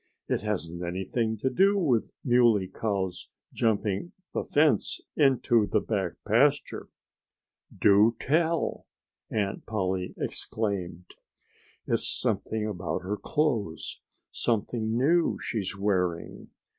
"It hasn't anything to do with the Muley Cow's jumping the fence into the back pasture." "Do tell!" Aunt Polly exclaimed. "It's something about her clothes something new she's wearing."